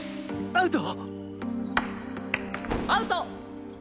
アウト。